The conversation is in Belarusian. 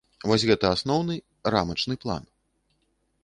Вось гэта асноўны, рамачны план.